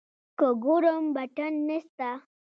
که ګورم بټن نسته.